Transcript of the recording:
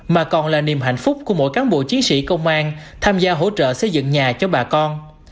mà còn là niềm hạnh phúc của mỗi cán bộ chiến sĩ công an tham gia hỗ trợ xây dựng nhà cho bà con